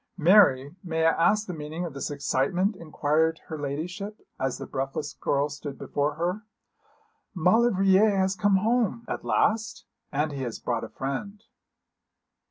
'Mary, may I ask the meaning of this excitement,' inquired her ladyship, as the breathless girl stood before her. 'Maulevrier has come home.' 'At last?' 'And he has brought a friend.'